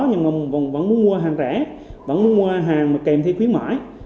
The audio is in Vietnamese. các đối tượng vẫn muốn mua hàng rẻ vẫn muốn mua hàng mà kèm thêm khuyến mãi